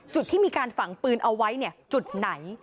จุดที่มีการฝังปืนเอาไว้จุดไหน